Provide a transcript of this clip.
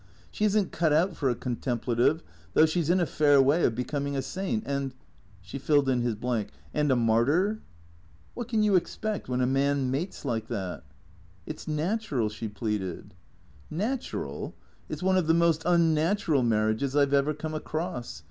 She is n't cut out for a contemplative, though she 's in a fair way of becoming a saint and " She filled his blank, " And a martyr ?"" What can you expect when a man mates like that ?"" It 's natural," she pleaded. " Natural ? It 's one of the most unnatural marriages I 've ever come across.